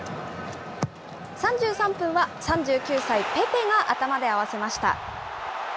３３分は、３９歳ペペが頭で合わせました。